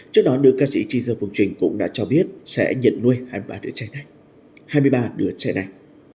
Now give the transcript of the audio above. trước đó nữ ca sĩ tri dương phương trình cũng đã cho biết sẽ nhận nuôi hai mươi ba đứa trẻ này